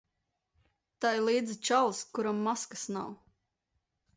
Tai līdzi čalis, kuram maskas nav.